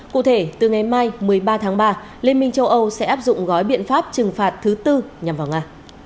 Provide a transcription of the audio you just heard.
cụ thể từ ngày mai một mươi ba tháng ba liên minh châu âu sẽ áp dụng gói biện pháp trừng phạt thứ tư nhằm vào nga